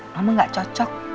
mama gak cocok